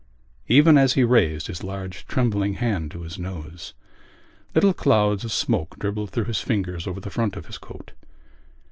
Even as he raised his large trembling hand to his nose little clouds of smoke dribbled through his fingers over the front of his coat.